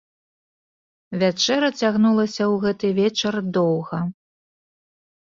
Вячэра цягнулася ў гэты вечар доўга.